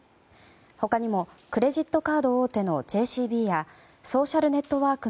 他にもクレジットカード大手のＪＣＢやソーシャルネットワーク